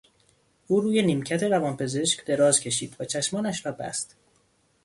او روی نیمکت روانپزشک دراز کشید و چشمانش را بست.